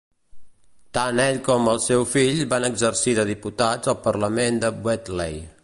Tant ell com el seu fill van exercir de diputats al Parlament per Bewdley.